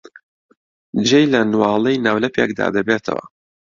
جێی لە نواڵەی ناولەپێکدا دەبێتەوە.